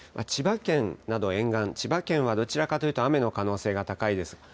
千葉県など、沿岸、千葉県はどちらかというと、雨の可能性が高いです。